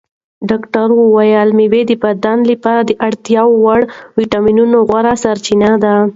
ډاکتر وویل مېوه د بدن لپاره د اړتیا وړ ویټامینونو غوره سرچینه ده.